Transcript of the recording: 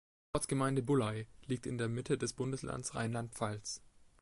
Die Ortsgemeinde Bullay liegt in der Mitte des Bundeslandes Rheinland-Pfalz.